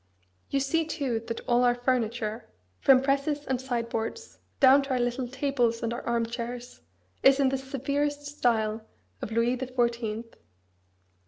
You see too that all our furniture, from presses and sideboards, down to our little tables and our arm chairs, is in the severest style of Louis the Fourteenth.